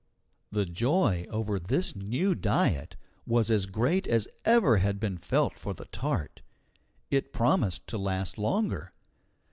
The joy over this new diet was as great as ever had been felt for the tart. It promised to last longer.